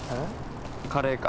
カレーか？